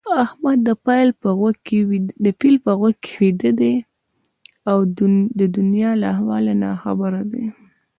احمد د پيل په غوږ کې ويده دی؛ د دونيا له احواله ناخبره دي.